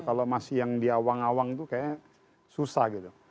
kalau masih yang diawang awang tuh kayaknya susah gitu